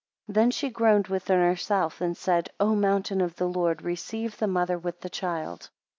5 Then she groaned within herself, and said, O mountain of the Lord, receive the mother with the child.